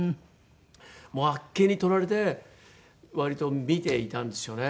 もうあっけにとられて割と見ていたんですよね。